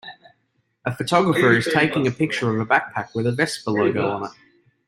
A photographer is taking a picture of a backpack with a Vespa logo on it.